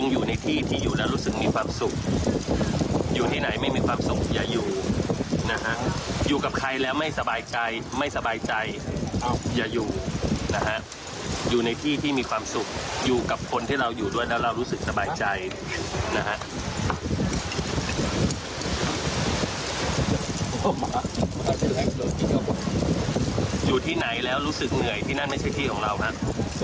อยู่ที่ไหนแล้วรู้สึกเหนื่อยที่นั่นไม่ใช่ที่ของเราครับ